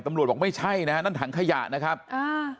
บอกไม่ใช่นะฮะนั่นถังขยะนะครับอ่า